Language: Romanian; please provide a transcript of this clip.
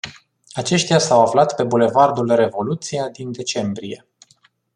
Aceștia s-au aflat pe Bulevardul Revoluția din decembrie.